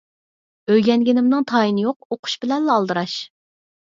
ئۆگەنگىنىمنىڭ تايىنى يوق، ئوقۇش بىلەنلا ئالدىراش.